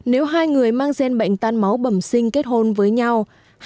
nếu hai người mang gen bệnh tan máu bẩm sinh kết hôn với nhau